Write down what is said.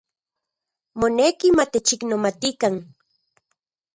Moneki matechiknomatikan.